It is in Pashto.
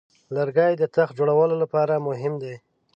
لرګی د تخت جوړولو لپاره مهم دی.